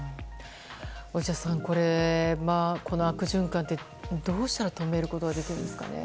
落合さん、この悪循環ってどうしたら止めることができるんですかね。